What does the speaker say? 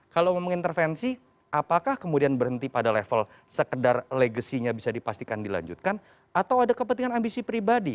kalau ngomongin intervensi apakah kemudian berhenti pada level sekedar legasinya bisa dipastikan dilanjutkan atau ada kepentingan ambisi pribadi